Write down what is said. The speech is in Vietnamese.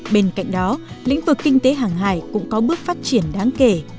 bên cạnh đó lĩnh vực kinh tế hàng hải cũng có bước phát triển đáng kể